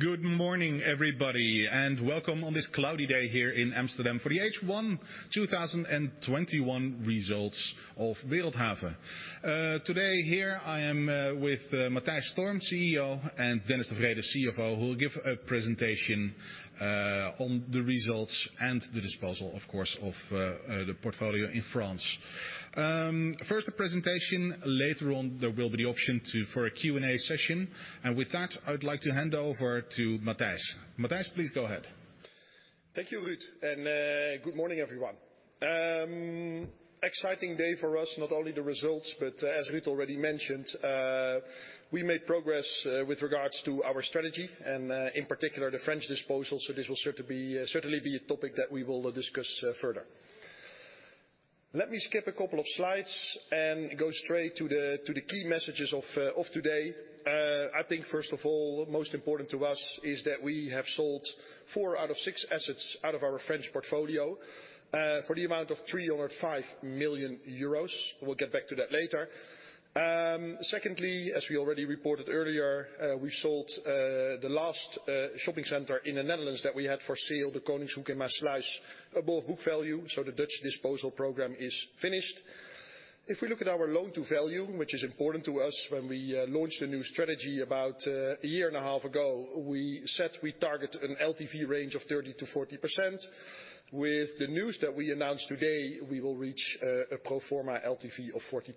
Good morning, everybody, welcome on this cloudy day here in Amsterdam for the H1 2021 results of Wereldhave. Today, here I am with Matthijs Storm, CEO, and Dennis de Vreede, CFO, who will give a presentation on the results and the disposal, of course, of the portfolio in France. First the presentation, later on, there will be the option for a Q&A session. With that, I would like to hand over to Matthias. Matthias, please go ahead. Thank you, Ruud. Good morning, everyone. Exciting day for us, not only the results, but as Ruud already mentioned, we made progress with regards to our strategy and, in particular, the French disposal. This will certainly be a topic that we will discuss further. Let me skip a couple of slides and go straight to the key messages of today. I think, first of all, most important to us is that we have sold four out of six assets out of our French portfolio for the amount of 305 million euros. We'll get back to that later. Secondly, as we already reported earlier, we sold the last shopping center in the Netherlands that we had for sale, the Koningshoek in Maassluis, above book value, so the Dutch disposal program is finished. If we look at our loan-to-value, which is important to us, when we launched a new strategy about a year and a half ago, we said we target an LTV range of 30%-40%. With the news that we announced today, we will reach a pro forma LTV of 42%.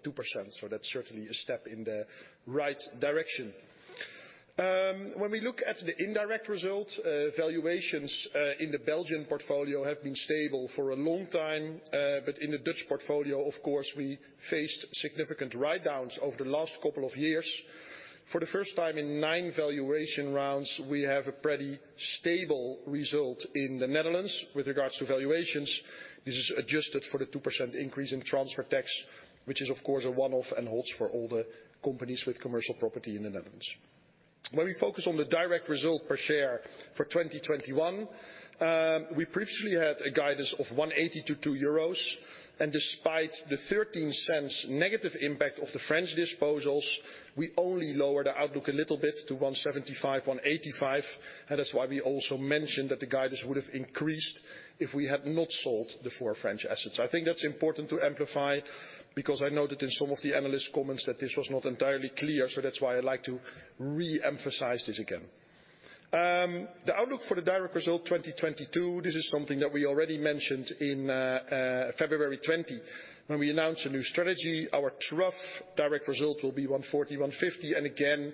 That's certainly a step in the right direction. When we look at the indirect result, valuations in the Belgian portfolio have been stable for a long time. In the Dutch portfolio, of course, we faced significant write-downs over the last couple of years. For the first time in nine valuation rounds, we have a pretty stable result in the Netherlands with regards to valuations. This is adjusted for the 2% increase in transfer tax, which is, of course, a one-off and holds for all the companies with commercial property in the Netherlands. When we focus on the direct result per share for 2021, we previously had a guidance of 1.80-2.00 euros, and despite the 0.13 negative impact of the French disposals, we only lowered the outlook a little bit to 1.75, 1.85. That is why we also mentioned that the guidance would have increased if we had not sold the four French assets. I think that's important to amplify, because I know that in some of the analyst comments that this was not entirely clear, so that's why I'd like to re-emphasize this again. The outlook for the direct result 2022, this is something that we already mentioned in February 2020 when we announced a new strategy. Our trough direct result will be 1.40, 1.50. Again,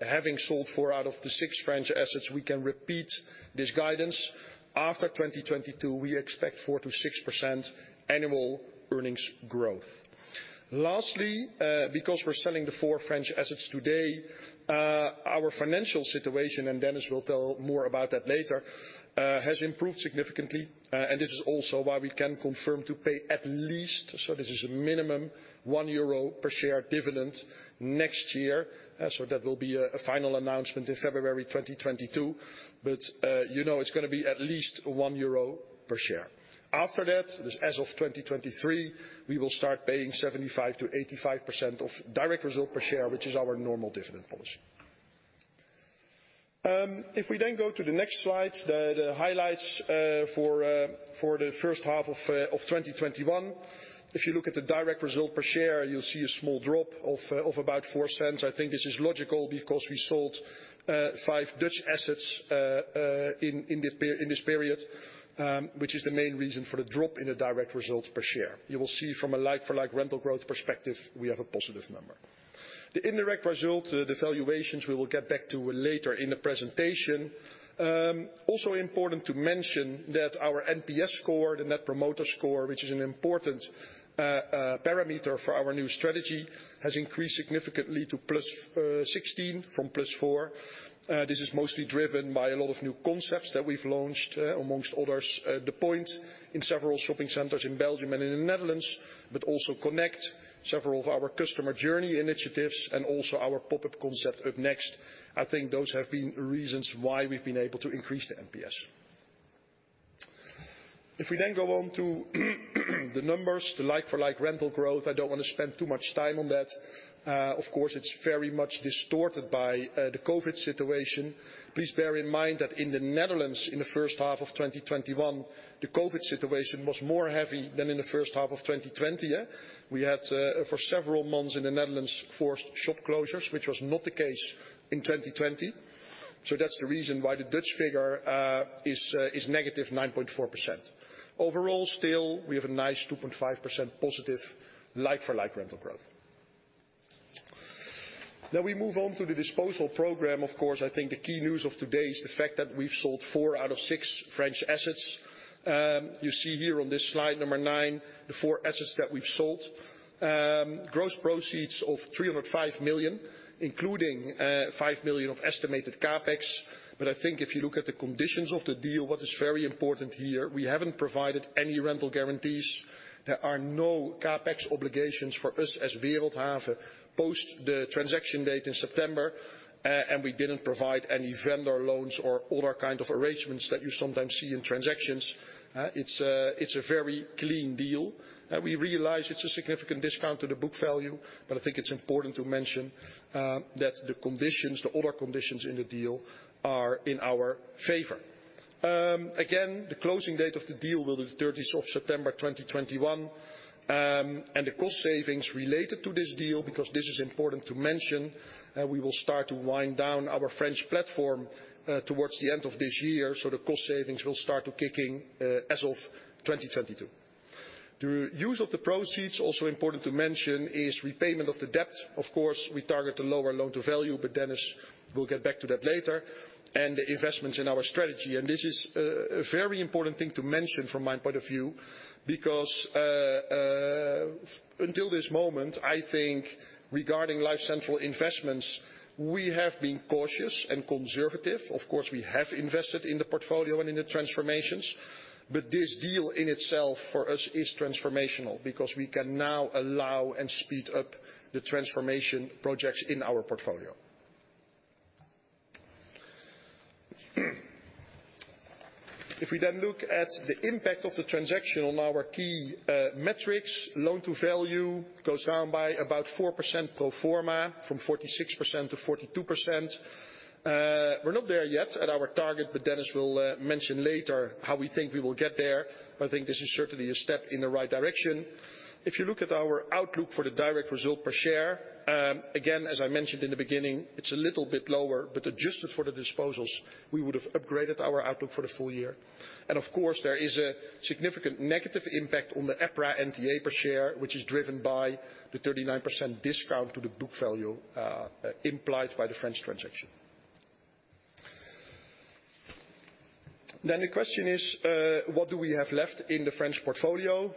having sold four out of the six French assets, we can repeat this guidance. After 2022, we expect 4%-6% annual earnings growth. Lastly, because we are selling the four French assets today, our financial situation, and Dennis will tell more about that later, has improved significantly. This is also why we can confirm to pay at least, so this is a minimum, 1.00 euro per share dividend next year. That will be a final announcement in February 2022. You know it is going to be at least 1.00 euro per share. After that, as of 2023, we will start paying 75%-85% of direct result per share, which is our normal dividend policy. If we then go to the next slide, the highlights for the first half of 2021. If you look at the direct result per share, you will see a small drop of about 0.04. I think this is logical because we sold five Dutch assets in this period, which is the main reason for the drop in the direct result per share. You will see from a like-for-like rental growth perspective, we have a positive number. The indirect result, the valuations, we will get back to later in the presentation. Also important to mention that our NPS score, the net promoter score, which is an important parameter for our new strategy, has increased significantly to +16 from +4. This is mostly driven by a lot of new concepts that we have launched, amongst others, The Point in several shopping centers in Belgium and in the Netherlands, but also Connect several of our customer journey initiatives and also our pop-up concept UpNext. I think those have been reasons why we have been able to increase the NPS. If we then go on to the numbers, the like-for-like rental growth, I do not want to spend too much time on that. Of course, it is very much distorted by the COVID-19 situation. Please bear in mind that in the Netherlands, in the first half of 2021, the COVID-19 situation was more heavy than in the first half of 2020. We had for several months in the Netherlands forced shop closures, which was not the case in 2020. That is the reason why the Dutch figure is -9.4%. Overall, still, we have a nice 2.5% positive like-for-like rental growth. We move on to the disposal program. Of course, I think the key news of today is the fact that we have sold four out of six French assets. You see here on this slide number nine, the four assets that we have sold. Gross proceeds of 305 million, including 5 million of estimated CapEx. I think if you look at the conditions of the deal, what is very important here, we have not provided any rental guarantees. There are no CapEx obligations for us as Wereldhave post the transaction date in September, and we did not provide any vendor loans or other kind of arrangements that you sometimes see in transactions. It is a very clean deal. We realize it is a significant discount to the book value, but I think it is important to mention that the other conditions in the deal are in our favor. Again, the closing date of the deal will be 30th of September 2021. The cost savings related to this deal, because this is important to mention, we will start to wind down our French platform towards the end of this year. The cost savings will start to kick in as of 2022. The use of the proceeds, also important to mention, is repayment of the debt. Of course, we target a lower loan-to-value, but Dennis will get back to that later, and the investments in our strategy. This is a very important thing to mention from my point of view, because until this moment, I think regarding LifeCentral investments, we have been cautious and conservative. Of course, we have invested in the portfolio and in the transformations, but this deal in itself for us is transformational because we can now allow and speed up the transformation projects in our portfolio. If we look at the impact of the transaction on our key metrics, loan-to-value goes down by about 4% pro forma from 46%-42%. We're not there yet at our target, Dennis will mention later how we think we will get there. I think this is certainly a step in the right direction. If you look at our outlook for the direct result per share, again, as I mentioned in the beginning, it's a little bit lower, but adjusted for the disposals, we would have upgraded our outlook for the full year. Of course, there is a significant negative impact on the EPRA NTA per share, which is driven by the 39% discount to the book value implied by the French transaction. The question is, what do we have left in the French portfolio?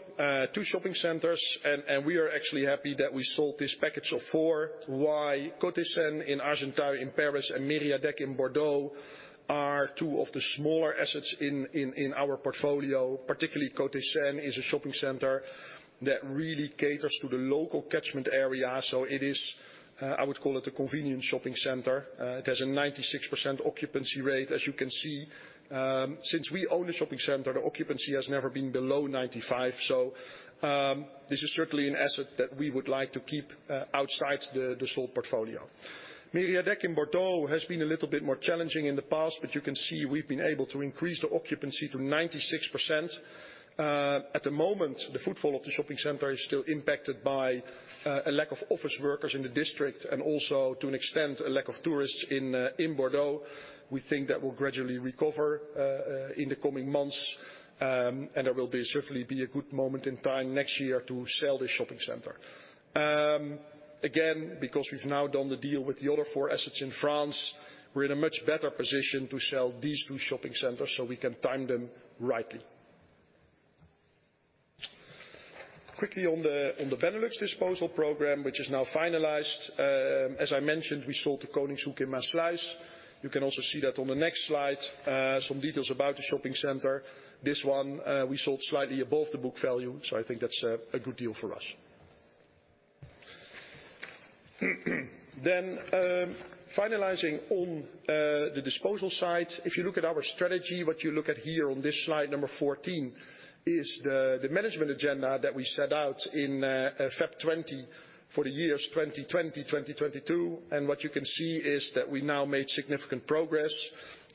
Two shopping centers, and we are actually happy that we sold this package of four. Why? Côté Seine in Argenteuil in Paris and Mériadeck in Bordeaux are two of the smaller assets in our portfolio. Particularly Côté Seine is a shopping center that really caters to the local catchment area. It is, I would call it a convenient shopping center. It has a 96% occupancy rate, as you can see. Since we own the shopping center, the occupancy has never been below 95%. This is certainly an asset that we would like to keep outside the sold portfolio. Mériadeck in Bordeaux has been a little bit more challenging in the past, but you can see we've been able to increase the occupancy to 96%. At the moment, the footfall of the shopping center is still impacted by a lack of office workers in the district and also to an extent, a lack of tourists in Bordeaux. We think that will gradually recover in the coming months, there will be certainly be a good moment in time next year to sell this shopping center. Because we've now done the deal with the other four assets in France, we're in a much better position to sell these two shopping centers so we can time them rightly. Quickly on the Benelux disposal program, which is now finalized. As I mentioned, we sold the Koningshoek in Maassluis. You can also see that on the next slide, some details about the shopping center. This one, we sold slightly above the book value, so I think that's a good deal for us. Finalizing on the disposal side. If you look at our strategy, what you look at here on this slide 14 is the management agenda that we set out in February 2020 for the years 2020, 2022. What you can see is that we now made significant progress.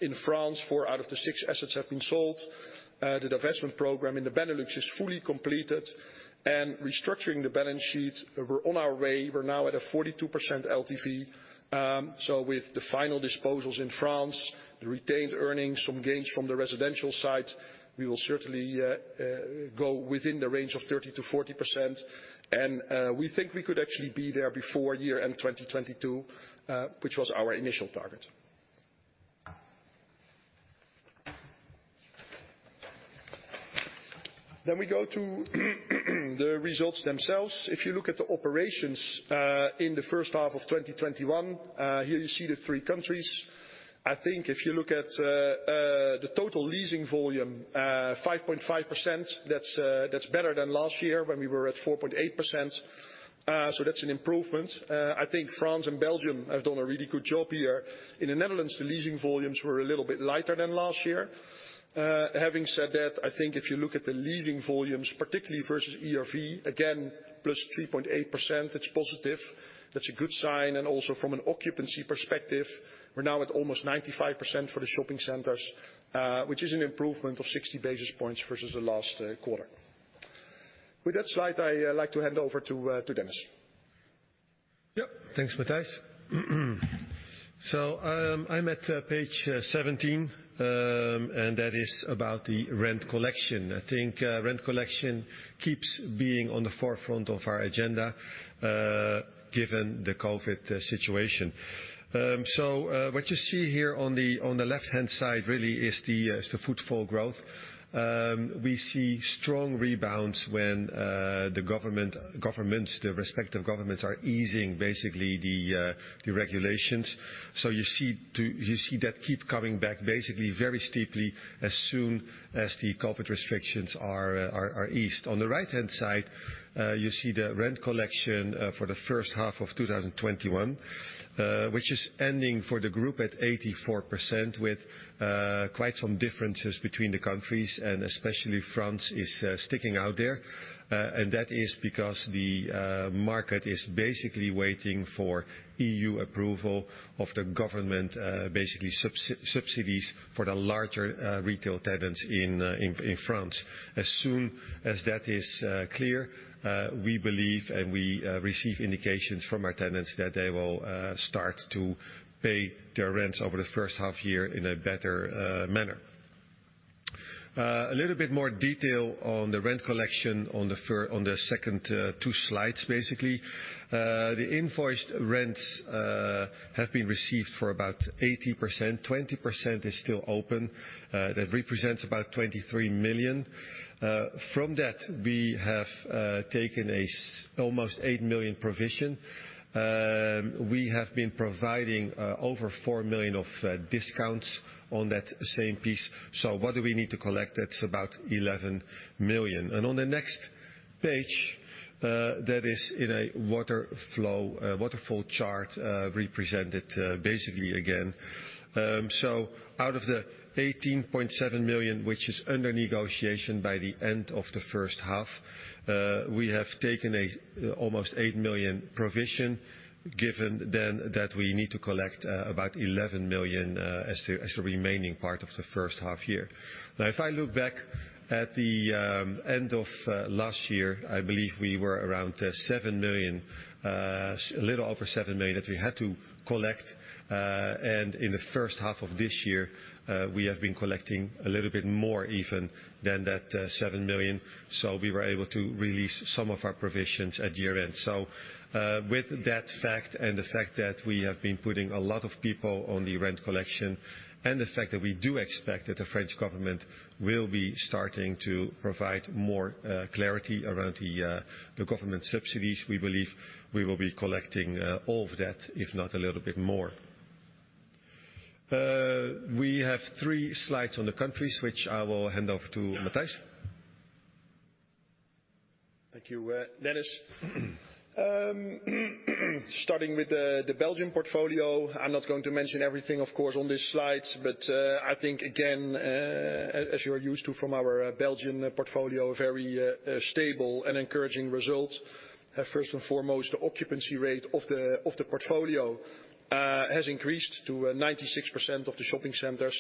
In France, four out of the six assets have been sold. The divestment program in the Benelux is fully completed. Restructuring the balance sheet, we're on our way. We're now at a 42% LTV. With the final disposals in France, the retained earnings, some gains from the residential side, we will certainly go within the range of 30%-40%. We think we could actually be there before year-end 2022, which was our initial target. We go to the results themselves. If you look at the operations in the first half of 2021, here you see the three countries. I think if you look at the total leasing volume, 5.5%, that's better than last year when we were at 4.8%. That's an improvement. I think France and Belgium have done a really good job here. In the Netherlands, the leasing volumes were a little bit lighter than last year. Having said that, I think if you look at the leasing volumes, particularly versus ERV, again, +3.8%, it's positive. That's a good sign. Also from an occupancy perspective, we're now at almost 95% for the shopping centers, which is an improvement of 60 basis points versus the last quarter. With that slide, I like to hand over to Dennis. Yep. Thanks, Matthijs. I'm at page 17, and that is about the rent collection. I think rent collection keeps being on the forefront of our agenda given the COVID situation. What you see here on the left-hand side really is the footfall growth. We see strong rebounds when the respective governments are easing basically the regulations. You see that keep coming back basically very steeply as soon as the COVID restrictions are eased. On the right-hand side, you see the rent collection for the first half of 2021, which is ending for the group at 84% with quite some differences between the countries and especially France is sticking out there. That is because the market is basically waiting for EU approval of the government basically subsidies for the larger retail tenants in France. As soon as that is clear, we believe and we receive indications from our tenants that they will start to pay their rents over the first half year in a better manner. A little bit more detail on the rent collection on the second two slides, basically. The invoiced rents have been received for about 80%. 20% is still open. That represents about 23 million. From that, we have taken almost 8 million provision. We have been providing over 4 million of discounts on that same piece. What do we need to collect? That's about 11 million. On the next page, that is in a waterfall chart represented basically again. Out of the 18.7 million, which is under negotiation by the end of the first half, we have taken almost 8 million provision, given that we need to collect about 11 million as the remaining part of the first half year. If I look back at the end of last year, I believe we were around a little over 7 million that we had to collect. In the first half of this year, we have been collecting a little bit more even than that 7 million. We were able to release some of our provisions at year end. With that fact and the fact that we have been putting a lot of people on the rent collection, and the fact that we do expect that the French government will be starting to provide more clarity around the government subsidies, we believe we will be collecting all of that, if not a little bit more. We have three slides on the countries, which I will hand off to Matthijs. Thank you, Dennis. Starting with the Belgian portfolio. I'm not going to mention everything, of course, on this slide, but I think, again as you're used to from our Belgian portfolio, very stable and encouraging result. First and foremost, the occupancy rate of the portfolio has increased to 96% of the shopping centers.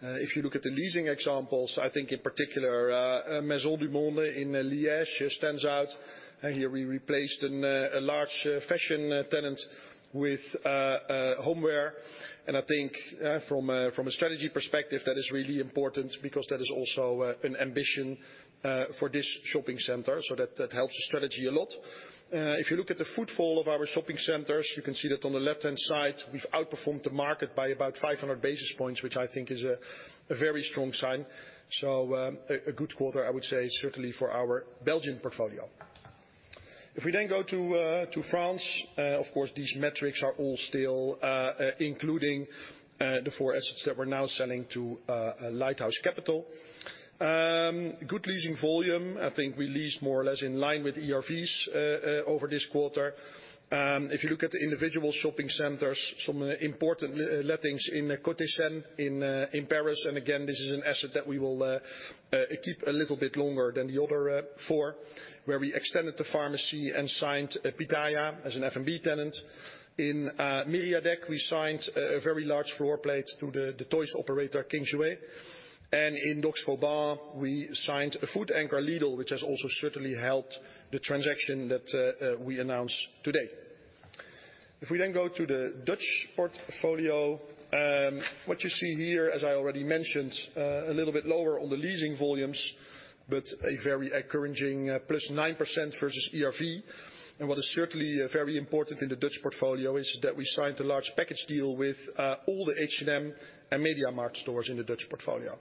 If you look at the leasing examples, I think in particular, Maisons du Monde in Liège stands out. Here we replaced a large fashion tenant with homeware. I think from a strategy perspective, that is really important because that is also an ambition for this shopping center. That helps the strategy a lot. If you look at the footfall of our shopping centers, you can see that on the left-hand side, we've outperformed the market by about 500 basis points, which I think is a very strong sign. A good quarter, I would say, certainly for our Belgian portfolio. If we go to France, of course, these metrics are all still including the four assets that we're now selling to Lighthouse Capital. Good leasing volume. I think we leased more or less in line with ERVs over this quarter. If you look at the individual shopping centers, some important lettings in the Côté Seine in Paris. Again, this is an asset that we will keep a little bit longer than the other four, where we extended the pharmacy and signed Pitaya as an F&B tenant. In Mériadeck, we signed a very large floor plate to the toys operator King Jouet. In Docks Vauban, we signed a food anchor, Lidl, which has also certainly helped the transaction that we announced today. We then go to the Dutch portfolio, what you see here, as I already mentioned, a little bit lower on the leasing volumes, but a very encouraging plus 9% versus ERV. What is certainly very important in the Dutch portfolio is that we signed a large package deal with all the H&M and MediaMarkt stores in the Dutch portfolio.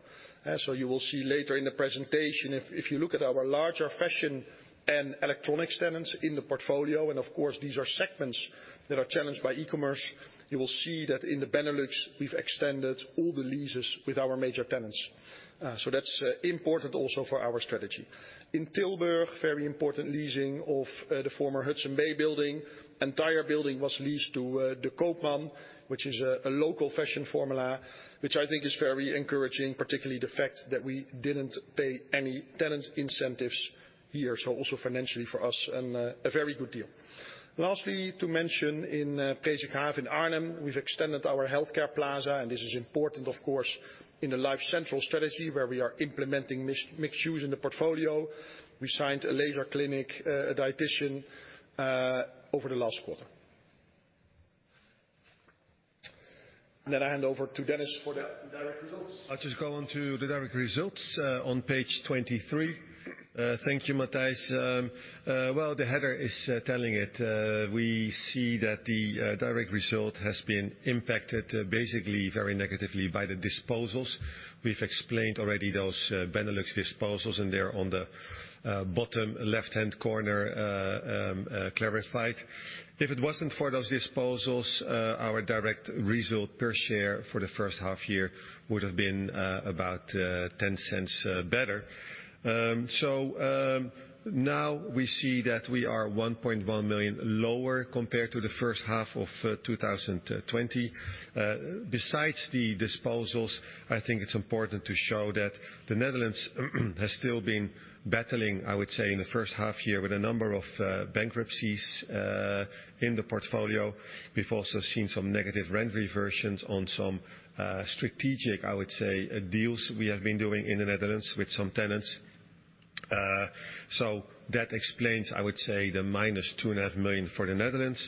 You will see later in the presentation, if you look at our larger fashion and electronics tenants in the portfolio, and of course, these are segments that are challenged by e-commerce, you will see that in the Benelux, we've extended all the leases with our major tenants. That's important also for our strategy. In Tilburg, very important leasing of the former Hudson's Bay building. Entire building was leased to De Koopman, which is a local fashion formula, which I think is very encouraging, particularly the fact that we didn't pay any tenant incentives here. Also financially for us, a very good deal. Lastly, to mention in Presikhaaf in Arnhem, we've extended our healthcare plaza, and this is important, of course, in the LifeCentral strategy, where we are implementing mixed use in the portfolio. We signed a laser clinic, a dietician, over the last quarter. Then I hand over to Dennis for the direct results. I'll just go on to the direct results on page 23. Thank you, Matthijs. The header is telling it. We see that the direct result has been impacted basically very negatively by the disposals. We've explained already those Benelux disposals, and they're on the bottom left-hand corner clarified. If it wasn't for those disposals, our direct result per share for the first half year would have been about 0.10 better. Now we see that we are 1.1 million lower compared to the first half of 2020. Besides the disposals, I think it's important to show that the Netherlands has still been battling, I would say, in the first half year with a number of bankruptcies in the portfolio. We've also seen some negative rent reversions on some strategic, I would say, deals we have been doing in the Netherlands with some tenants. That explains, I would say, the minus 2.5 million for the Netherlands.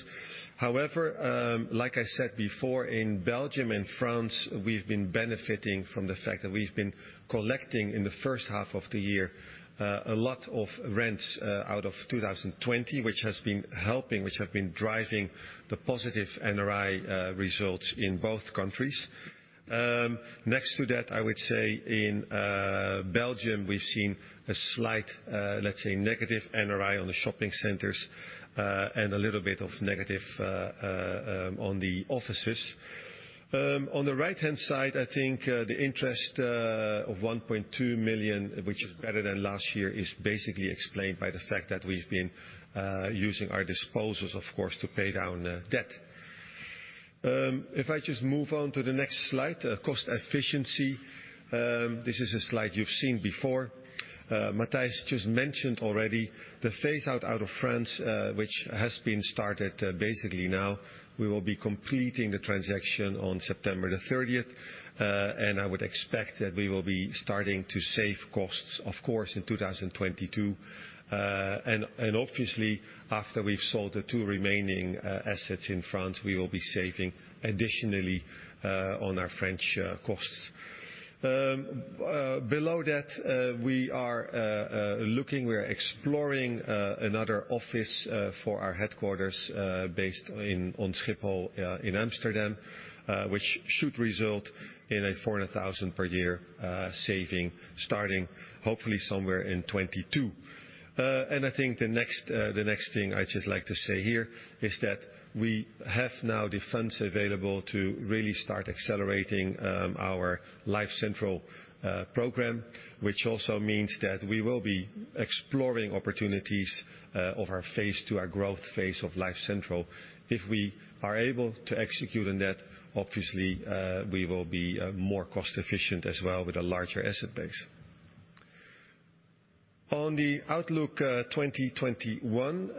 Like I said before, in Belgium and France, we've been benefiting from the fact that we've been collecting, in the first half of the year, a lot of rents out of 2020, which has been helping, which have been driving the positive NRI results in both countries. Next to that, I would say in Belgium, we've seen a slight, let's say, negative NRI on the shopping centers, and a little bit of negative on the offices. On the right-hand side, I think the interest of 1.2 million, which is better than last year, is basically explained by the fact that we've been using our disposals, of course, to pay down debt. If I just move on to the next slide, cost efficiency. This is a slide you've seen before. Matthijs just mentioned already the phase out of France, which has been started basically now. We will be completing the transaction on September 30th. I would expect that we will be starting to save costs, of course, in 2022. Obviously, after we've sold the two remaining assets in France, we will be saving additionally on our French costs. Below that, we are exploring another office for our headquarters based on Schiphol in Amsterdam, which should result in a 400,000 per year saving starting hopefully somewhere in 2022. I think the next thing I'd just like to say here is that we have now the funds available to really start accelerating our LifeCentral program, which also means that we will be exploring opportunities of our phase 2, our growth phase of LifeCentral. If we are able to execute on that, obviously, we will be more cost efficient as well with a larger asset base. On the outlook 2021,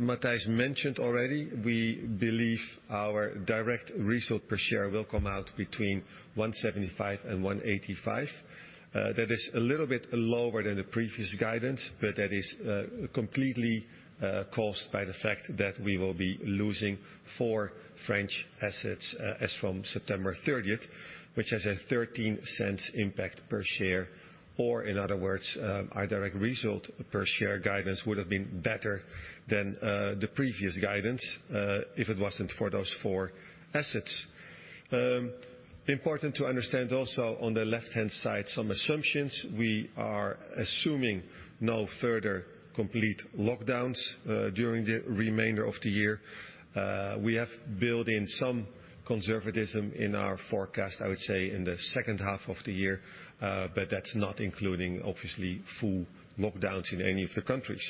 Matthijs mentioned already, we believe our direct result per share will come out between 1.75-1.85. That is a little bit lower than the previous guidance, but that is completely caused by the fact that we will be losing four French assets as from September 30th, which has a 0.13 impact per share, or in other words, our direct result per share guidance would have been better than the previous guidance, if it wasn't for those four assets. Important to understand also on the left-hand side, some assumptions. We are assuming no further complete lockdowns during the remainder of the year. We have built in some conservatism in our forecast, I would say, in the second half of the year. That's not including obviously full lockdowns in any of the countries.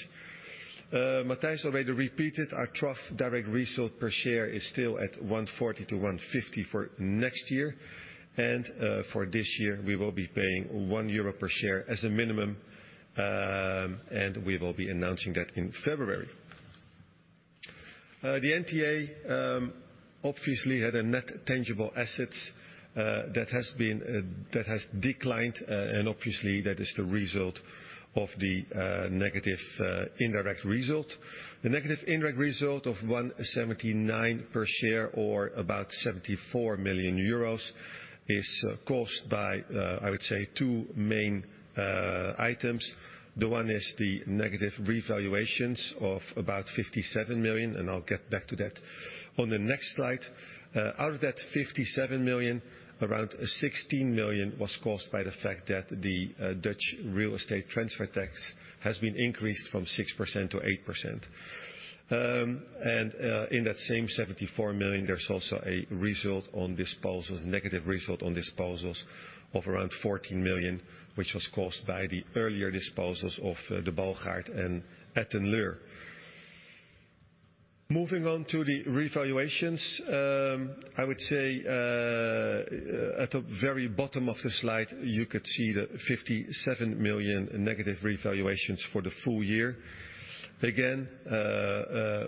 Matthijs already repeated our trough direct result per share is still at 1.40-1.50 for next year. For this year, we will be paying 1 euro per share as a minimum, and we will be announcing that in February. The NTA obviously had a net tangible assets that has declined, and obviously that is the result of the negative indirect result. The negative indirect result of 1.79 per share, or about 74 million euros, is caused by, I would say, two main items. The one is the negative revaluations of about 57 million, and I'll get back to that on the next slide. Out of that 57 million, around 16 million was caused by the fact that the Dutch real estate transfer tax has been increased from 6% to 8%. In that same 74 million, there's also a negative result on disposals of around 14 million, which was caused by the earlier disposals of De Baljuw and Etten-Leur. Moving on to the revaluations. I would say at the very bottom of the slide, you could see the 57 million negative revaluations for the full year. Again,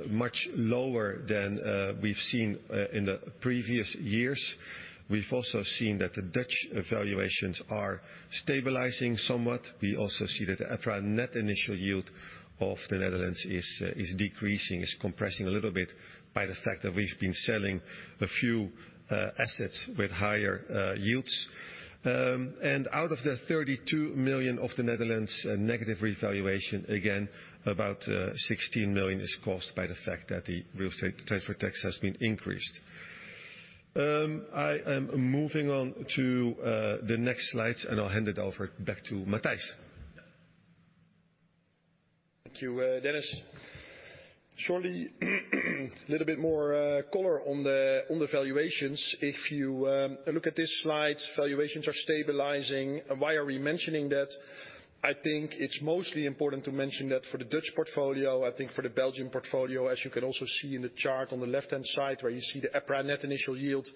much lower than we've seen in the previous years. We've also seen that the Dutch valuations are stabilizing somewhat. We also see that the EPRA Net Initial Yield of the Netherlands is decreasing, is compressing a little bit by the fact that we've been selling a few assets with higher yields. Out of the 32 million of the Netherlands negative revaluation, again, about 16 million is caused by the fact that the real estate transfer tax has been increased. I am moving on to the next slide, I'll hand it over back to Matthijs. Thank you, Dennis. Surely a little bit more color on the valuations. If you look at this slide, valuations are stabilizing. Why are we mentioning that? I think it's mostly important to mention that for the Dutch portfolio. I think for the Belgian portfolio, as you can also see in the chart on the left-hand side where you see the EPRA Net Initial Yield,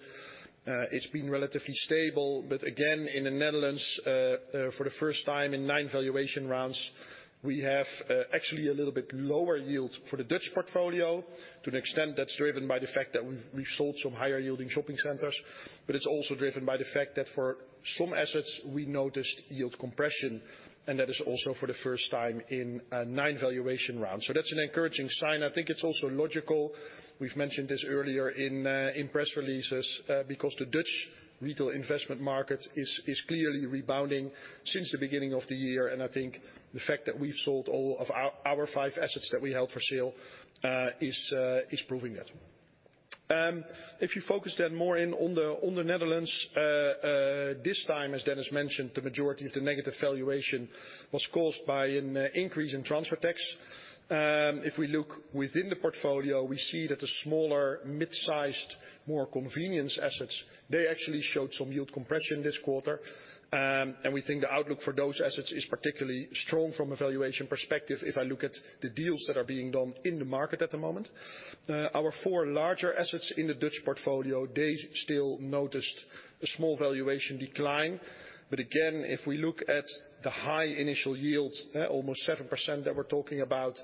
it's been relatively stable. Again, in the Netherlands, for the first time in nine valuation rounds, we have actually a little bit lower yield for the Dutch portfolio. To an extent that's driven by the fact that we've sold some higher yielding shopping centers, but it's also driven by the fact that for some assets we noticed yield compression, and that is also for the first time in nine valuation rounds. That's an encouraging sign. I think it's also logical, we've mentioned this earlier in press releases, because the Dutch retail investment market is clearly rebounding since the beginning of the year. I think the fact that we've sold all of our five assets that we held for sale is proving that. If you focus then more in on the Netherlands, this time, as Dennis mentioned, the majority of the negative valuation was caused by an increase in transfer tax. If we look within the portfolio, we see that the smaller mid-sized, more convenience assets, they actually showed some yield compression this quarter. We think the outlook for those assets is particularly strong from a valuation perspective if I look at the deals that are being done in the market at the moment. Our four larger assets in the Dutch portfolio, they still noticed a small valuation decline. Again, if we look at the high initial yield, almost 7% that we're talking about,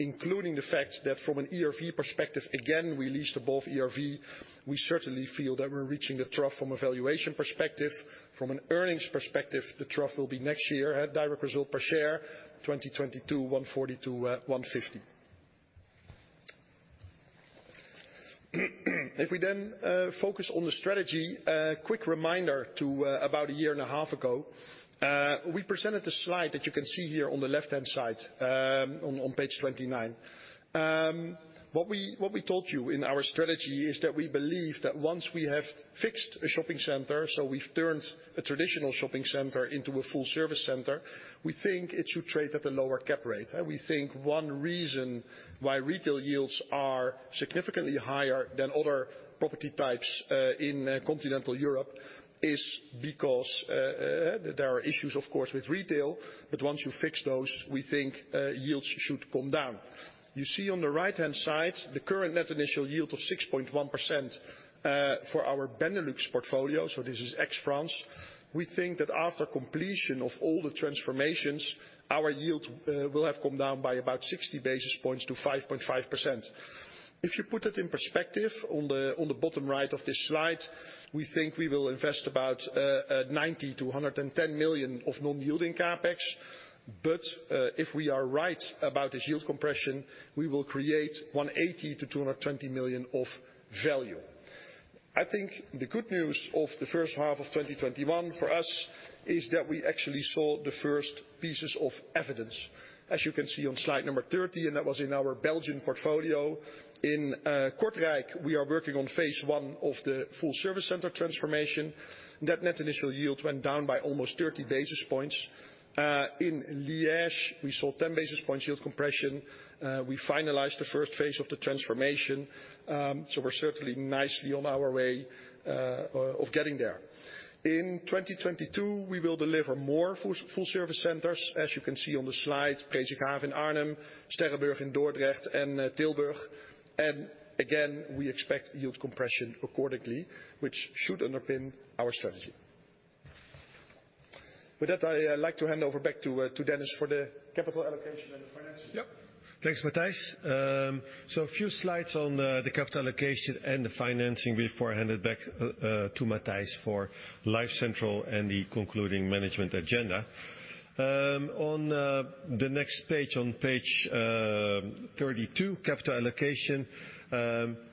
including the fact that from an ERV perspective, again, we leased above ERV. We certainly feel that we're reaching the trough from a valuation perspective. From an earnings perspective, the trough will be next year at direct result per share 2022, 1.40 to 1.50. If we focus on the strategy, a quick reminder to about a year and a half ago. We presented a slide that you can see here on the left-hand side, on page 29. We told you in our strategy is that we believe that once we have fixed a shopping center, so we've turned a traditional shopping center into a Full Service Center, we think it should trade at a lower cap rate. We think one reason why retail yields are significantly higher than other property types in continental Europe is because there are issues, of course, with retail. Once you fix those, we think yields should come down. You see on the right-hand side the current net initial yield of 6.1% for our Benelux portfolio, so this is ex-France. We think that after completion of all the transformations, our yield will have come down by about 60 basis points to 5.5%. If you put it in perspective, on the bottom right of this slide, we think we will invest about 90 million to 110 million of non-yielding CapEx. If we are right about this yield compression, we will create 180 million to 220 million of value. I think the good news of the first half of 2021 for us is that we actually saw the first pieces of evidence, as you can see on slide number 30, and that was in our Belgian portfolio. In Kortrijk, we are working on phase one of the Full Service Center transformation. That net initial yield went down by almost 30 basis points. In Liège, we saw 10 basis point yield compression. We finalized the first phase of the transformation. We're certainly nicely on our way of getting there. In 2022, we will deliver more Full Service Centers. As you can see on the slide, Presikhaaf in Arnhem, Sterrenburg in Dordrecht, and Tilburg. Again, we expect yield compression accordingly, which should underpin our strategy. With that, I like to hand over back to Dennis for the capital allocation and the financing. Thanks, Matthijs. A few slides on the capital allocation and the financing before I hand it back to Matthijs for LifeCentral and the concluding management agenda. On the next page, on page 32, capital allocation.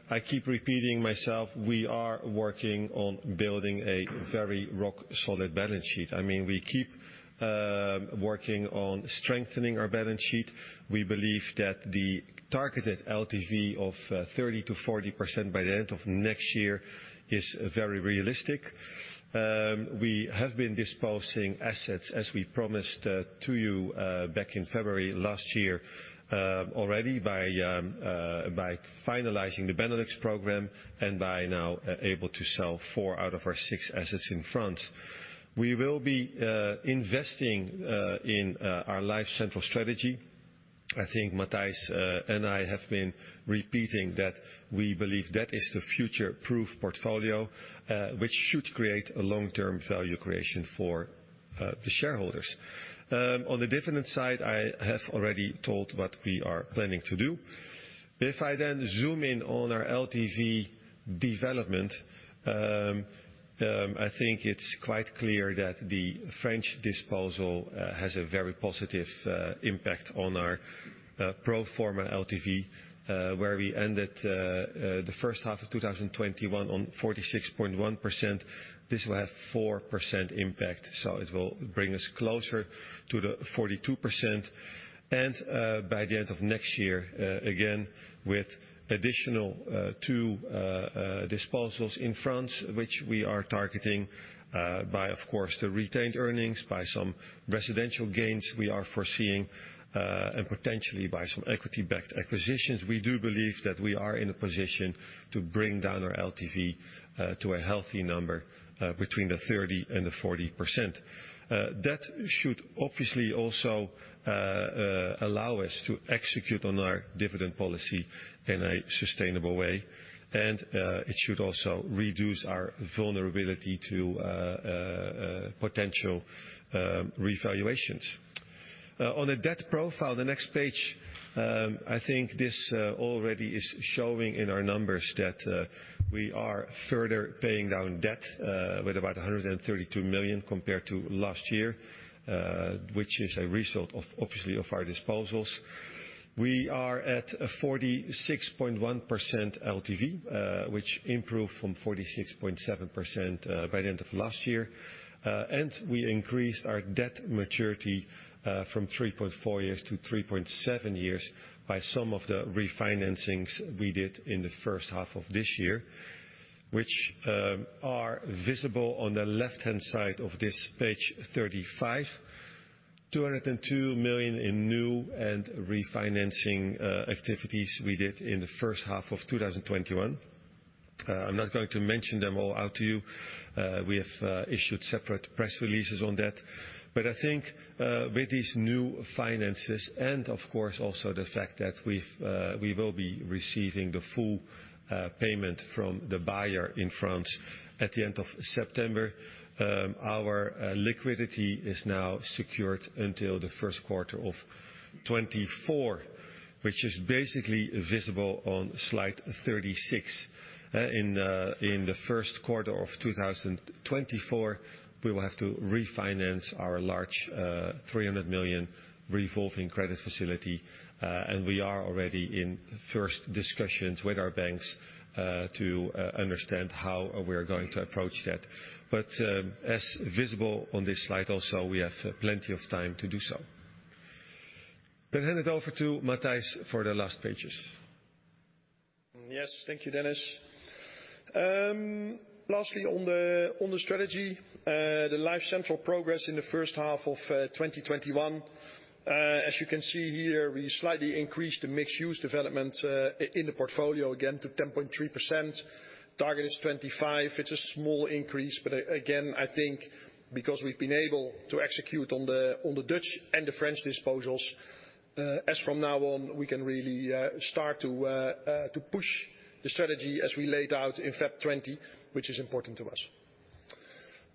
I keep repeating myself, we are working on building a very rock solid balance sheet. We keep working on strengthening our balance sheet. We believe that the targeted LTV of 30%-40% by the end of next year is very realistic. We have been disposing assets, as we promised to you back in February last year already by finalizing the Benelux program and by now able to sell four out of our six assets in France. We will be investing in our LifeCentral strategy. I think Matthijs and I have been repeating that we believe that is the future-proof portfolio, which should create a long-term value creation for the shareholders. On the dividend side, I have already told what we are planning to do. If I zoom in on our LTV development, I think it's quite clear that the French disposal has a very positive impact on our pro forma LTV. Where we ended the first half of 2021 on 46.1%, this will have 4% impact, so it will bring us closer to the 42%. By the end of next year, again, with additional two disposals in France, which we are targeting by, of course, the retained earnings, by some residential gains we are foreseeing, and potentially by some equity backed acquisitions. We do believe that we are in a position to bring down our LTV to a healthy number between the 30% and the 40%. That should obviously also allow us to execute on our dividend policy in a sustainable way, it should also reduce our vulnerability to potential revaluations. On the debt profile, the next page, I think this already is showing in our numbers that we are further paying down debt with about 132 million compared to last year, which is a result, obviously, of our disposals. We are at 46.1% LTV, which improved from 46.7% by the end of last year. We increased our debt maturity from 3.4 years to 3.7 years by some of the refinancings we did in the first half of this year, which are visible on the left-hand side of this page 35. 202 million in new and refinancing activities we did in the first half of 2021. I'm not going to mention them all out to you. We have issued separate press releases on that. I think with these new finances and of course also the fact that we will be receiving the full payment from the buyer in France at the end of September, our liquidity is now secured until the first quarter of 2024, which is basically visible on slide 36. In the first quarter of 2024, we will have to refinance our large 300 million revolving credit facility, we are already in first discussions with our banks to understand how we are going to approach that. As visible on this slide also, we have plenty of time to do so. Going to hand it over to Matthijs for the last pages. Yes. Thank you, Dennis. Lastly, on the strategy, the LifeCentral progress in the first half of 2021. As you can see here, we slightly increased the mixed-use development in the portfolio again to 10.3%. Target is 25. It's a small increase, but again, I think because we've been able to execute on the Dutch and the French disposals, as from now on, we can really start to push the strategy as we laid out in February 2020, which is important to us.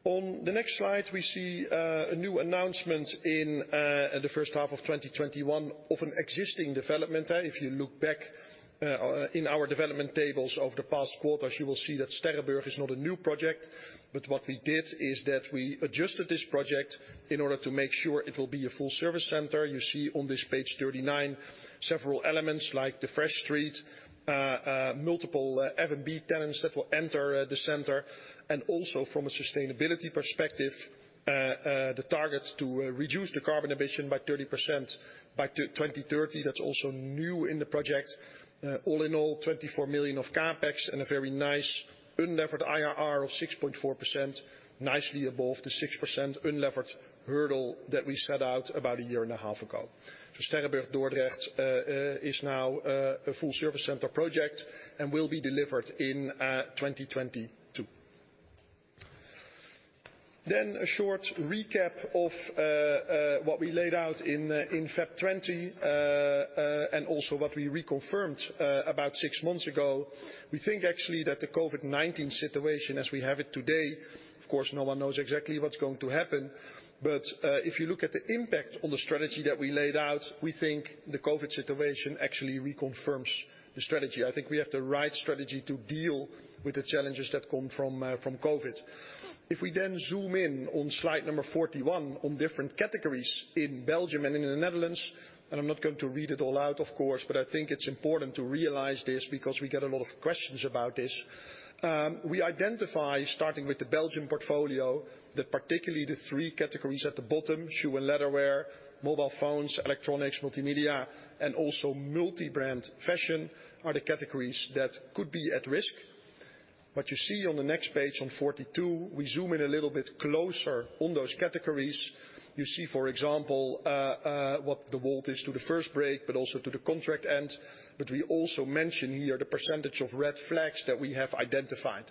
On the next slide, we see a new announcement in the first half of 2021 of an existing development. If you look back in our development tables of the past quarters, you will see that Sterrenburg is not a new project, but what we did is that we adjusted this project in order to make sure it will be a Full Service Center. You see on this page 39 several elements like the Fresh Street, multiple F&B tenants that will enter the center, also from a sustainability perspective, the target to reduce the carbon emission by 30% by 2030. That's also new in the project. All in all, 24 million of CapEx and a very nice unlevered IRR of 6.4%, nicely above the 6% unlevered hurdle that we set out about a year and a half ago. Sterrenburg Dordrecht is now a Full Service Center project and will be delivered in 2022. A short recap of what we laid out in February 2020, also what we reconfirmed about six months ago. We think actually that the COVID-19 situation as we have it today, of course, no one knows exactly what's going to happen, but if you look at the impact on the strategy that we laid out, we think the COVID-19 situation actually reconfirms the strategy. I think we have the right strategy to deal with the challenges that come from COVID-19. If we then zoom in on slide number 41 on different categories in Belgium and in the Netherlands, I'm not going to read it all out, of course, but I think it's important to realize this because we get a lot of questions about this. We identify, starting with the Belgium portfolio, that particularly the 3 categories at the bottom, shoe and leatherware, mobile phones, electronics, multimedia, and also multi-brand fashion are the categories that could be at risk. What you see on the next page on 42, we zoom in a little bit closer on those categories. You see, for example, what the vault is to the first break, also to the contract end. We also mention here the percentage of red flags that we have identified.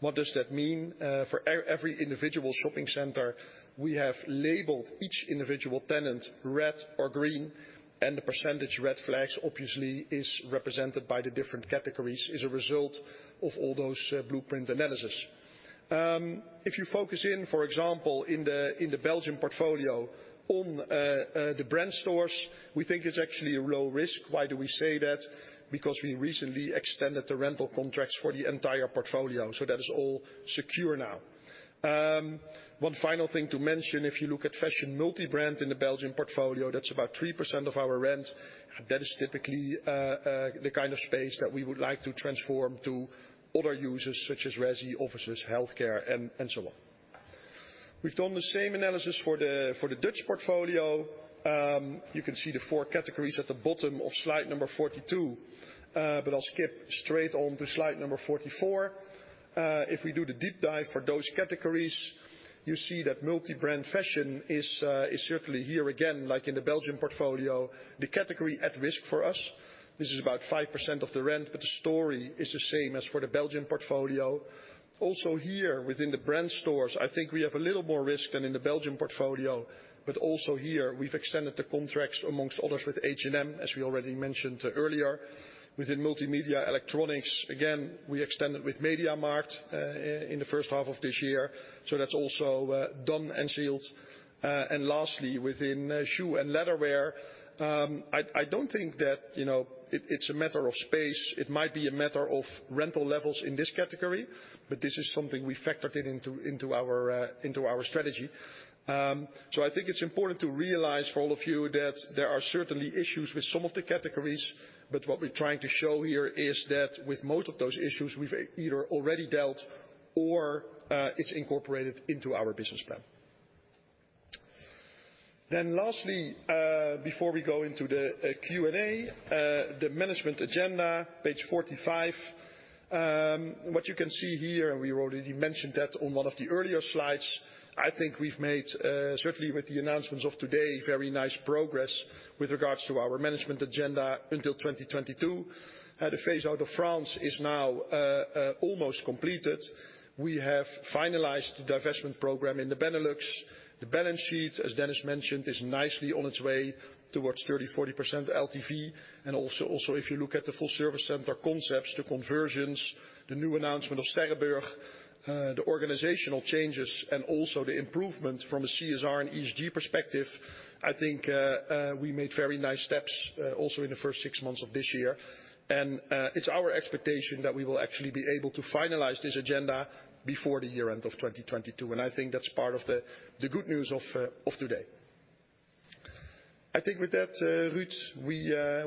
What does that mean? For every individual shopping center, we have labeled each individual tenant red or green, the percentage red flags, obviously, is represented by the different categories as a result of all those blueprint analysis. If you focus in, for example, in the Belgium portfolio on the brand stores, we think it's actually a low risk. Why do we say that? Because we recently extended the rental contracts for the entire portfolio, that is all secure now. One final thing to mention, if you look at fashion multi-brand in the Belgium portfolio, that's about 3% of our rent. That is typically the kind of space that we would like to transform to other users, such as resi, offices, healthcare, and so on. We've done the same analysis for the Dutch portfolio. You can see the 4 categories at the bottom of slide number 42, I'll skip straight on to slide number 44. If we do the deep dive for those categories You see that multi-brand fashion is certainly here again, like in the Belgian portfolio, the category at risk for us. This is about 5% of the rent, the story is the same as for the Belgian portfolio. Also here within the brand stores, I think we have a little more risk than in the Belgian portfolio. Also here we've extended the contracts amongst others with H&M, as we already mentioned earlier. Within multimedia electronics, again, we extended with MediaMarkt in the first half of this year. That's also done and sealed. Lastly, within shoe and leatherware, I don't think that it's a matter of space. It might be a matter of rental levels in this category, this is something we factored into our strategy. I think it's important to realize for all of you that there are certainly issues with some of the categories. What we're trying to show here is that with most of those issues, we've either already dealt or it's incorporated into our business plan. Lastly, before we go into the Q&A, the management agenda, page 45. What you can see here, we already mentioned that on one of the earlier slides. I think we've made, certainly with the announcements of today, very nice progress with regards to our management agenda until 2022. The phase out of France is now almost completed. We have finalized the divestment program in the Benelux. The balance sheet, as Dennis mentioned, is nicely on its way towards 30%-40% LTV. Also if you look at the Full Service Center concepts, the conversions, the new announcement of Sterrenburg, the organizational changes, and also the improvement from a CSR and ESG perspective, I think we made very nice steps also in the first six months of this year. It's our expectation that we will actually be able to finalize this agenda before the year end of 2022. I think that's part of the good news of today. I think with that, Roots,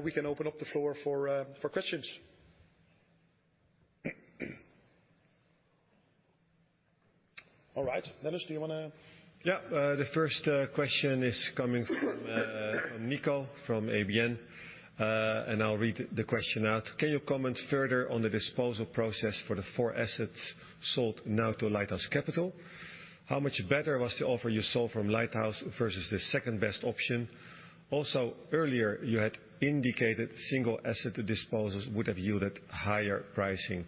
we can open up the floor for questions. All right, Dennis, do you want to The first question is coming from Nico from ABN, and I'll read the question out. "Can you comment further on the disposal process for the four assets sold now to Lighthouse Capital? How much better was the offer you sold from Lighthouse versus the second-best option? Also earlier you had indicated single asset disposals would have yielded higher pricing.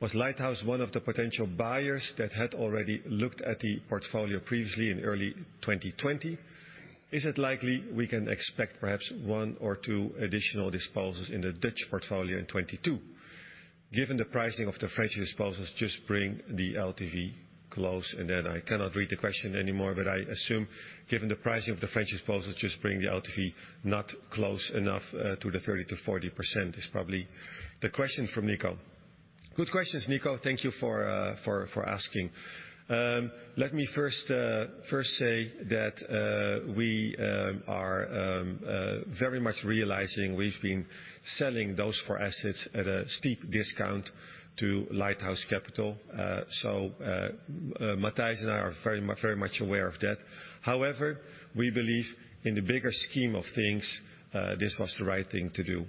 Was Lighthouse one of the potential buyers that had already looked at the portfolio previously in early 2020? Is it likely we can expect perhaps one or two additional disposals in the Dutch portfolio in 2022? Given the pricing of the French disposals just bring the LTV close" I cannot read the question anymore, but I assume given the pricing of the French disposals just bring the LTV not close enough to the 30%-40% is probably the question from Nico. Good questions, Nico. Thank you for asking. Let me first say that we are very much realizing we've been selling those four assets at a steep discount to Lighthouse Capital. Matthijs and I are very much aware of that. However, we believe in the bigger scheme of things, this was the right thing to do.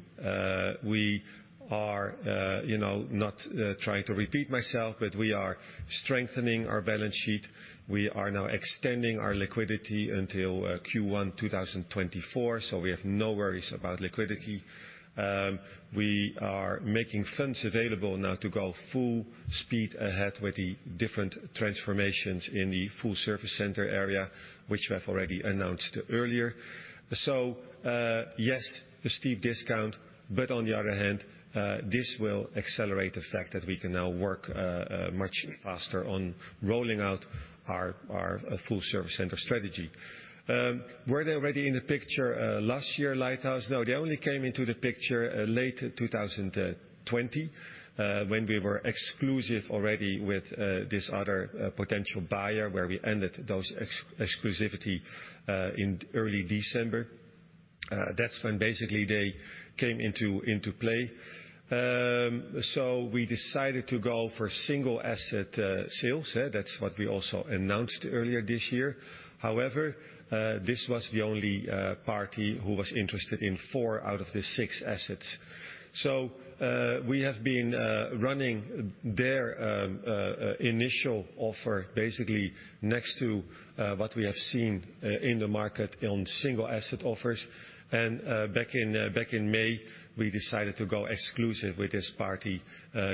Not trying to repeat myself, but we are strengthening our balance sheet. We are now extending our liquidity until Q1 2024. We have no worries about liquidity. We are making funds available now to go full speed ahead with the different transformations in the Full Service Center area, which we have already announced earlier. Yes, a steep discount, but on the other hand, this will accelerate the fact that we can now work much faster on rolling out our Full Service Center strategy. Were they already in the picture last year, Lighthouse? No, they only came into the picture late 2020 when we were exclusive already with this other potential buyer, where we ended those exclusivity in early December. That's when basically they came into play. We decided to go for single asset sales. That's what we also announced earlier this year. However, this was the only party who was interested in four out of the six assets. We have been running their initial offer basically next to what we have seen in the market on single asset offers. Back in May, we decided to go exclusive with this party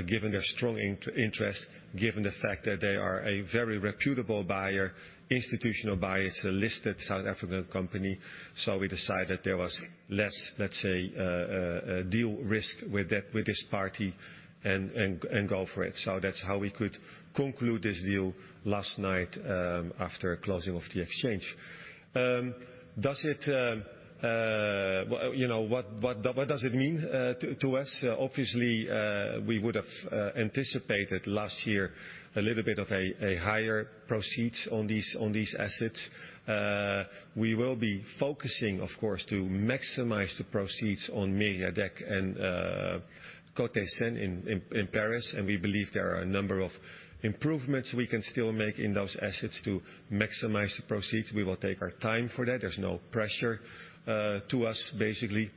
given their strong interest, given the fact that they are a very reputable buyer, institutional buyer. It's a listed South African company. We decided there was less, let's say, deal risk with this party and go for it. That's how we could conclude this deal last night after closing of the exchange. What does it mean to us? Obviously, we would have anticipated last year a little bit of a higher proceeds on these assets. We will be focusing of course to maximize the proceeds on Mériadeck and Côté Seine in Paris. We believe there are a number of improvements we can still make in those assets to maximize the proceeds. We will take our time for that. There's no pressure to us basically.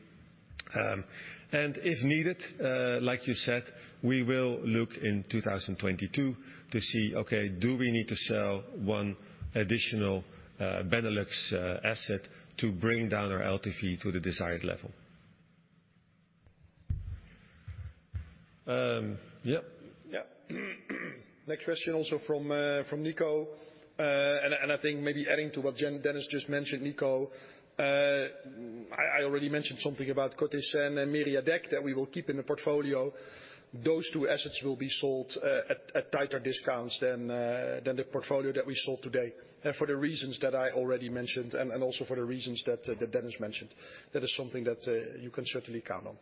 If needed, like you said, we will look in 2022 to see, okay, do we need to sell one additional Benelux asset to bring down our LTV to the desired level? Yeah. Next question also from Nico, I think maybe adding to what Dennis just mentioned, Nico, I already mentioned something about Côté Seine and Mériadeck that we will keep in the portfolio. Those two assets will be sold at tighter discounts than the portfolio that we sold today. For the reasons that I already mentioned and also for the reasons that Dennis mentioned. That is something that you can certainly count on.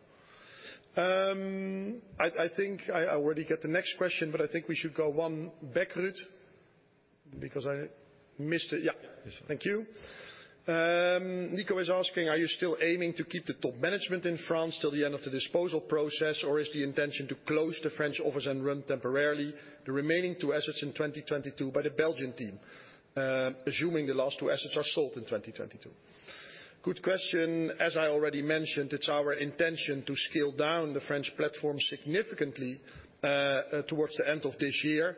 I think I already got the next question, but I think we should go one back, Ruud, because I missed it. Yes. Thank you. Nico is asking, "Are you still aiming to keep the top management in France till the end of the disposal process, or is the intention to close the French office and run temporarily the remaining two assets in 2022 by the Belgian team, assuming the last two assets are sold in 2022?" Good question. As I already mentioned, it's our intention to scale down the French platform significantly towards the end of this year.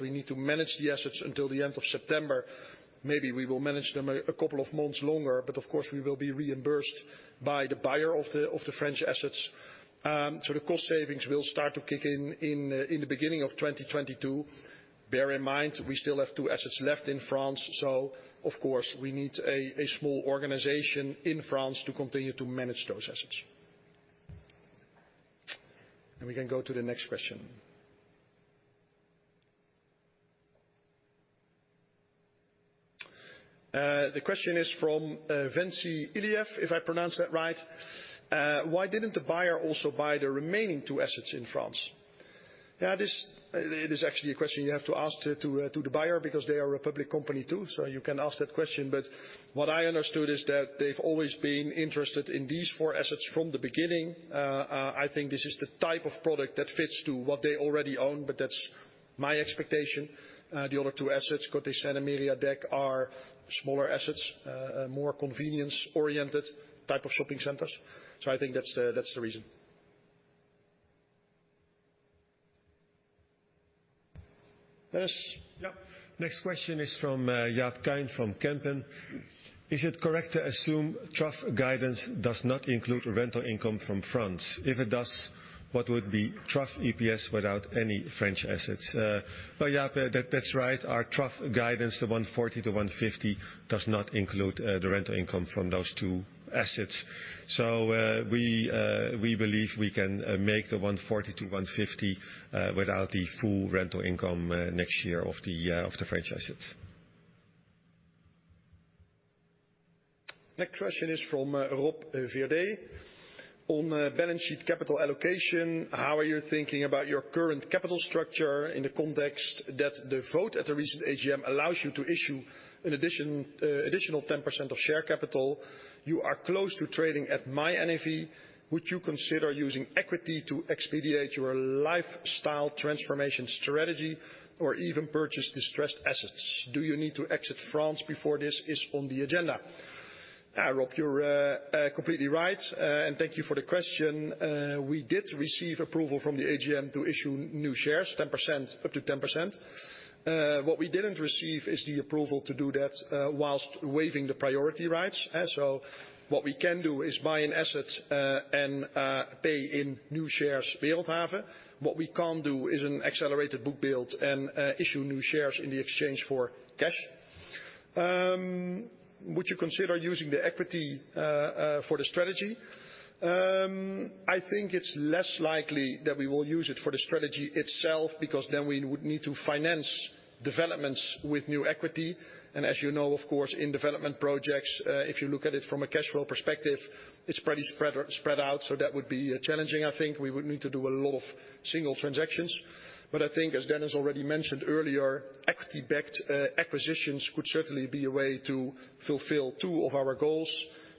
We need to manage the assets until the end of September. Maybe we will manage them a couple of months longer, but of course we will be reimbursed by the buyer of the French assets. The cost savings will start to kick in the beginning of 2022. Bear in mind, we still have two assets left in France, of course we need a small organization in France to continue to manage those assets. We can go to the next question. The question is from Vensi Iliev, if I pronounced that right. "Why didn't the buyer also buy the remaining two assets in France?" It is actually a question you have to ask to the buyer because they are a public company too. You can ask that question, but what I understood is that they've always been interested in these four assets from the beginning. I think this is the type of product that fits to what they already own, but that's my expectation. The other two assets, Cottenstee and Mériadeck, are smaller assets, more convenience-oriented type of shopping centers. I think that's the reason. Dennis. Next question is from Jaap Kuin from Kempen. "Is it correct to assume trough guidance does not include rental income from France? If it does, what would be trough EPS without any French assets?" Jaap, that's right. Our trough guidance, the 140 to 150, does not include the rental income from those two assets. We believe we can make the 140 to 150 without the full rental income next year of the French assets. Next question is from Rob Verde. "On balance sheet capital allocation, how are you thinking about your current capital structure in the context that the vote at the recent AGM allows you to issue an additional 10% of share capital? You are close to trading at my NAV. Would you consider using equity to expediate your LifeCentral strategy or even purchase distressed assets? Do you need to exit France before this is on the agenda?" Rob, you're completely right, and thank you for the question. We did receive approval from the AGM to issue new shares, up to 10%. What we didn't receive is the approval to do that whilst waiving the priority rights. What we can do is buy an asset and pay in new shares Wereldhave. What we can't do is an accelerated book build and issue new shares in the exchange for cash. Would you consider using the equity for the strategy? I think it's less likely that we will use it for the strategy itself, because then we would need to finance developments with new equity. As you know, of course, in development projects, if you look at it from a cash flow perspective, it's pretty spread out, that would be challenging, I think. We would need to do a lot of single transactions. I think as Dennis already mentioned earlier, equity-backed acquisitions could certainly be a way to fulfill two of our goals.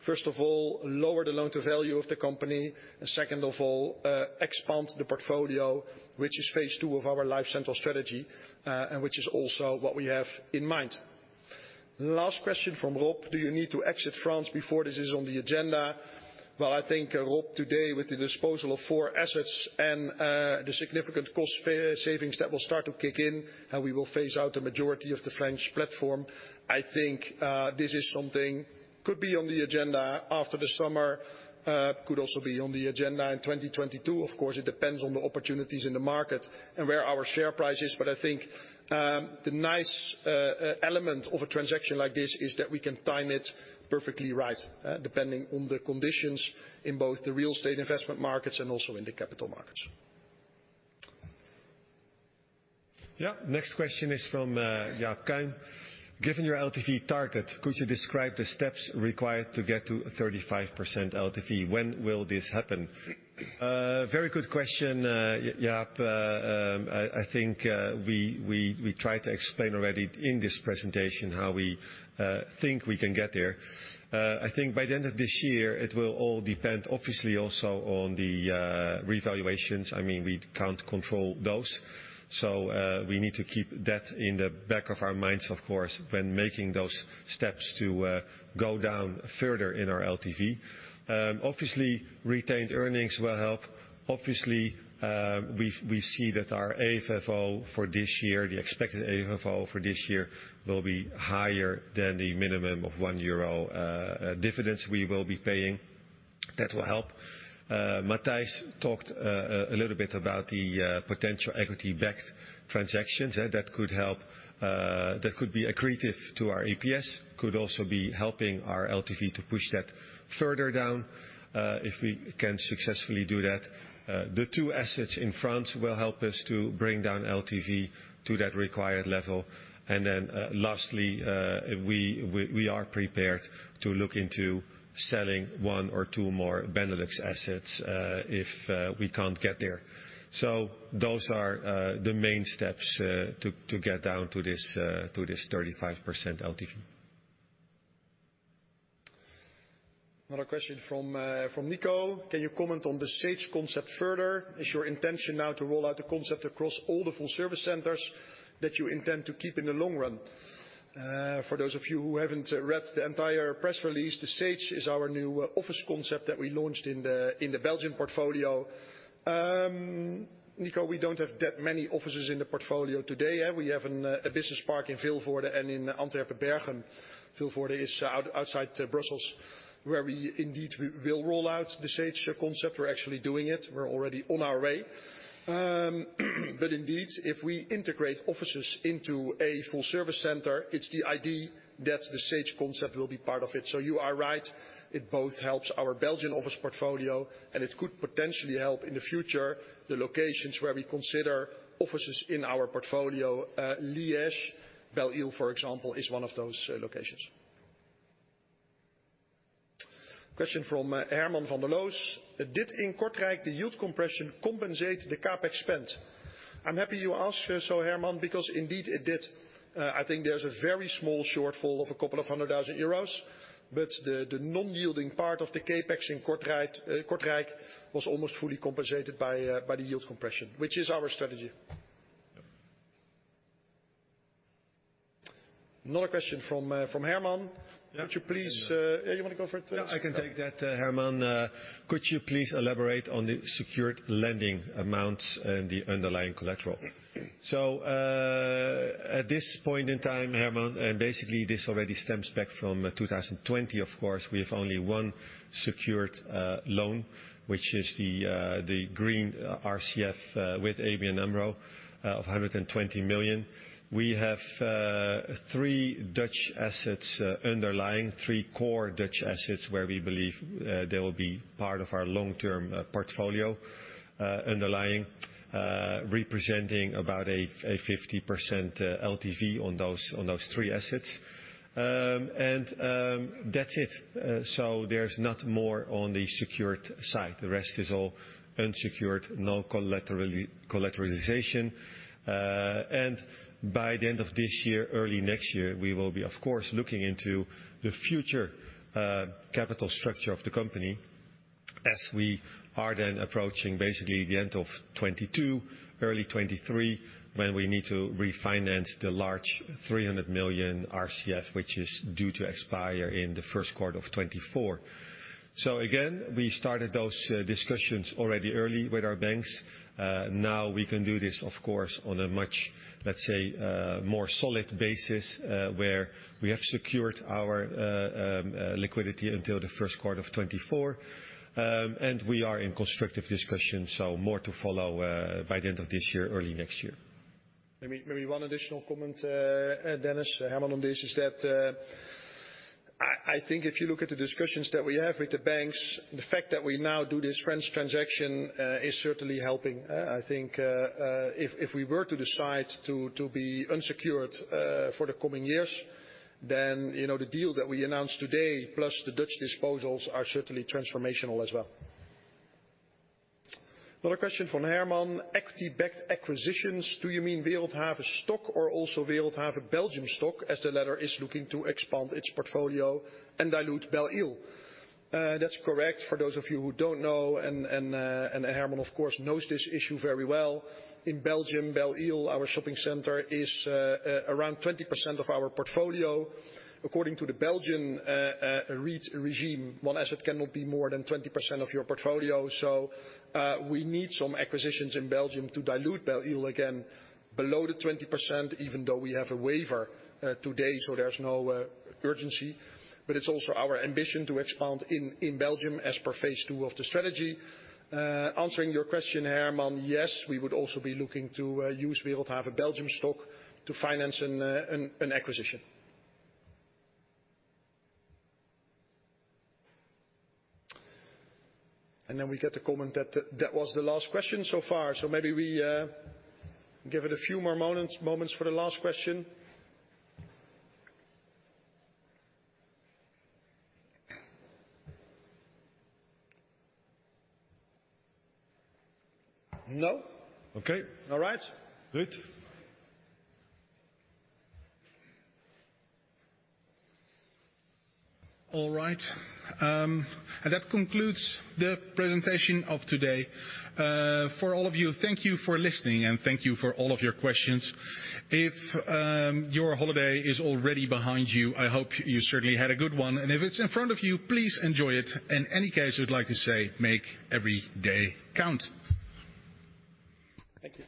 First of all, lower the loan to value of the company, and second of all, expand the portfolio, which is phase 2 of our LifeCentral strategy, and which is also what we have in mind. Last question from Rob. Do you need to exit France before this is on the agenda? I think, Rob, today with the disposal of 4 assets and the significant cost savings that will start to kick in, and we will phase out the majority of the French platform. I think this is something could be on the agenda after the summer, could also be on the agenda in 2022. Of course, it depends on the opportunities in the market and where our share price is. I think the nice element of a transaction like this is that we can time it perfectly right depending on the conditions in both the real estate investment markets and also in the capital markets. Yeah. Next question is from Jaap Kuin. Given your LTV target, could you describe the steps required to get to 35% LTV? When will this happen? Very good question, Jaap. I think we tried to explain already in this presentation how we think we can get there. I think by the end of this year, it will all depend obviously also on the revaluations. We can't control those. We need to keep that in the back of our minds, of course, when making those steps to go down further in our LTV. Obviously, retained earnings will help. Obviously, we see that our AFFO for this year, the expected AFFO for this year will be higher than the minimum of 1 euro dividends we will be paying. That will help. Matthijs talked a little bit about the potential equity-backed transactions that could be accretive to our EPS, could also be helping our LTV to push that further down, if we can successfully do that. The two assets in France will help us to bring down LTV to that required level. Lastly, we are prepared to look into selling one or two more Benelux assets if we can't get there. Those are the main steps to get down to this 35% LTV. Another question from Nico: Can you comment on The Sage concept further? Is your intention now to roll out the concept across all the Full Service Centers that you intend to keep in the long run? For those of you who haven't read the entire press release, The Sage is our new office concept that we launched in the Belgian portfolio. Nico, we don't have that many offices in the portfolio today. We have a business park in Vilvoorde and in Antwerp, Berchem. Vilvoorde is outside Brussels, where we indeed will roll out The Sage concept. We're actually doing it. We're already on our way. Indeed, if we integrate offices into a Full Service Center, it's the idea that The Sage concept will be part of it. You are right. It both helps our Belgian office portfolio and it could potentially help in the future the locations where we consider offices in our portfolio. Liège, Belle-Île, for example, is one of those locations. Question from Herman Vander Los: "Did in Kortrijk the yield compression compensate the CapEx spend?" I'm happy you asked so, Herman, because indeed it did. I think there's a very small shortfall of a couple of hundred thousand EUR, but the non-yielding part of the CapEx in Kortrijk was almost fully compensated by the yield compression, which is our strategy. Another question from Herman: "Could you please" You want to go for it, Dennis? Yes, I can take that, Herman. "Could you please elaborate on the secured lending amounts and the underlying collateral?" At this point in time, Herman, and basically this already stems back from 2020, of course, we have only one secured loan, which is the green RCF with ABN AMRO of 120 million. We have three Dutch assets underlying, three core Dutch assets where we believe they will be part of our long-term portfolio underlying, representing about a 50% LTV on those three assets. That's it. There's not more on the secured side. The rest is all unsecured, no collateralization. By the end of this year, early next year, we will be, of course, looking into the future capital structure of the company as we are then approaching basically the end of 2022, early 2023, when we need to refinance the large 300 million RCF, which is due to expire in the first quarter of 2024. Again, we started those discussions already early with our banks. Now we can do this, of course, on a much, let's say, more solid basis, where we have secured our liquidity until the first quarter of 2024. And we are in constructive discussions, so more to follow by the end of this year, early next year. Maybe one additional comment, Dennis, Herman, on this is that I think if you look at the discussions that we have with the banks, the fact that we now do this French transaction is certainly helping. I think if we were to decide to be unsecured for the coming years, then the deal that we announced today, plus the Dutch disposals, are certainly transformational as well. Another question from Herman: "Equity-backed acquisitions, do you mean Wereldhave stock or also Wereldhave Belgium stock, as the latter is looking to expand its portfolio and dilute Belle-Île?" That's correct. For those of you who don't know, and Herman of course knows this issue very well, in Belgium, Belle-Île, our shopping center, is around 20% of our portfolio. According to the Belgian REIT regime, one asset cannot be more than 20% of your portfolio. We need some acquisitions in Belgium to dilute Belle-Île again below the 20%, even though we have a waiver today, there's no urgency. It's also our ambition to expand in Belgium as per phase 2 of the strategy. Answering your question, Herman, yes, we would also be looking to use Wereldhave Belgium stock to finance an acquisition. We get the comment that that was the last question so far. Maybe we give it a few more moments for the last question. No? Okay. All right. Good. All right. That concludes the presentation of today. For all of you, thank you for listening, and thank you for all of your questions. If your holiday is already behind you, I hope you certainly had a good one, and if it's in front of you, please enjoy it. In any case, we'd like to say make every day count. Thank you